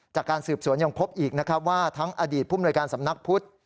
จากการสืบสวนยังพบอีกนะครับว่าทั้งอดีตผู้มนวยการสำนักพุทธ